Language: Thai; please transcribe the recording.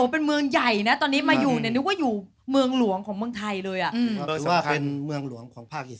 พี่ชมพูเอาหูมาใกล้นึงยังไง